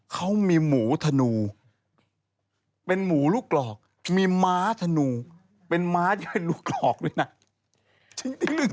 เขามีหมูธนูเป็นหมูลูกกรอกมีม้าธนูเป็นม้าที่เป็นลูกกรอกด้วยนะ